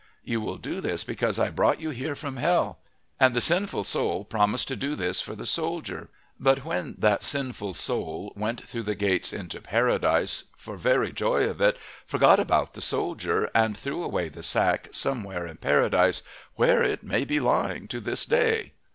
You will do this because I brought you here from hell." And the sinful soul promised to do this for the soldier. But when that sinful soul went through the gates into Paradise, for very joy it forgot about the soldier, and threw away the sack somewhere in Paradise, where it may be lying to this day.